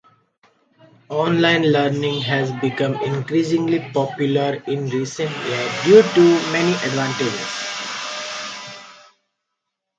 Online learning has become increasingly popular in recent years due to its many advantages.